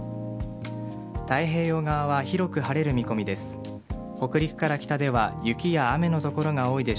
太平洋側は広く晴れる見込みです。